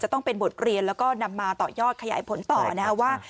ต้องเป็นบทเรียนแล้วก็นำมาต่อยอดขยายผลต่อนะครับว่า